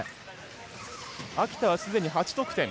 秋田はすでに８得点。